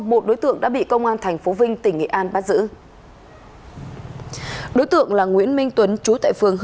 một đối tượng đã bị công an tp vinh tỉnh nghệ an bắt giữ đối tượng là nguyễn minh tuấn trú tại phường hà nội